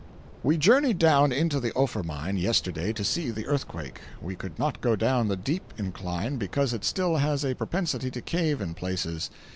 —We journeyed down into the Ophir mine, yesterday, to see the earthquake. We could not go down the deep incline, because it still has a propensity to cave in places.